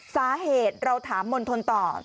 สาเหตุเราถามมณฑลต่อ